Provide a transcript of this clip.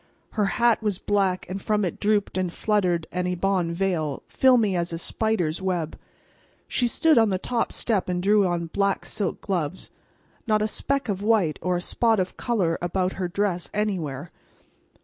Her hat was black, and from it drooped and fluttered an ebon veil, filmy as a spider's web. She stood on the top step and drew on black silk gloves. Not a speck of white or a spot of color about her dress anywhere.